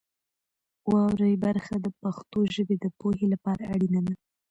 واورئ برخه د پښتو ژبې د پوهې لپاره اړینه ده.